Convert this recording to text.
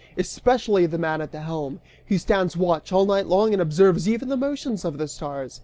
Especially the man at the helm, who stands watch all night long and observes even the motions of the stars.